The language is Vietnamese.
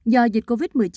do dịch covid một mươi chín